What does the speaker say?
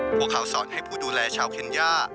พวกเขาสอนให้ผู้ดูแลชาวเคนย่า